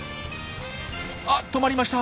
あっ止まりました！